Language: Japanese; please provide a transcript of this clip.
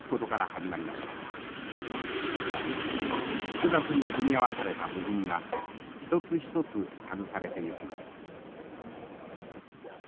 複雑に組み合わされた部品が一つ一つ外されていきます。